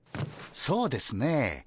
そうですね